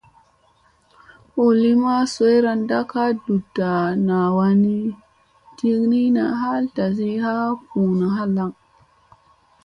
Huu lima zoyra ɗak a ɗuɗta na wanni, ɗiknina haal tasi a ɓuuna hay.